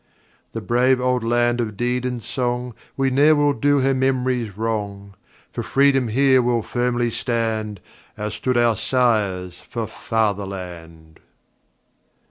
The brave old land of deed and song, We ne'er will do her memories wrong! For freedom here we'll firmly stand, As stood our sires for Fatherland!